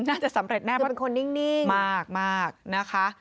น่าจะสำเร็จแน่เพราะเป็นคนนิ่งมากนะคะ